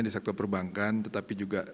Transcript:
di sektor perbankan tetapi juga